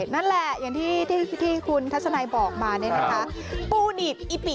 นั่นแหละอย่างที่คุณทัชนายบอกมาปุ้นีดอิปิ